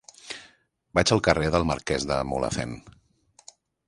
Vaig al carrer del Marquès de Mulhacén.